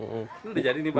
udah jadi nih bang